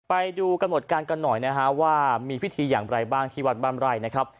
ไปดูกำหนดการกันหน่อยนะฮะว่ามีพิธีอย่างไรบ้างที่วัดบ้านไร่นะครับ